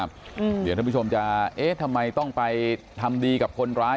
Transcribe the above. เดี๋ยวท่านผู้ชมจะเอ๊ะทำไมต้องไปทำดีกับคนร้าย